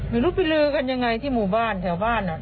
ไม่รู้ไปลือกันยังไงที่หมู่บ้านแถวบ้าน